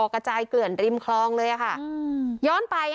กระจายเกลื่อนริ่มคลองเลยค่ะ